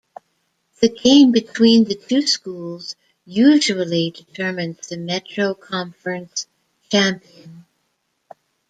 The game between the two schools usually determines the Metro Conference champion.